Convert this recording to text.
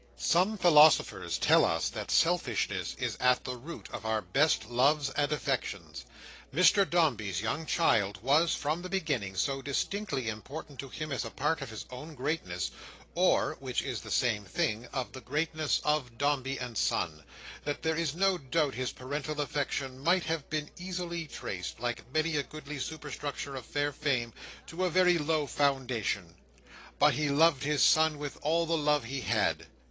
Some philosophers tell us that selfishness is at the root of our best loves and affections. Mr Dombey's young child was, from the beginning, so distinctly important to him as a part of his own greatness, or (which is the same thing) of the greatness of Dombey and Son, that there is no doubt his parental affection might have been easily traced, like many a goodly superstructure of fair fame, to a very low foundation. But he loved his son with all the love he had.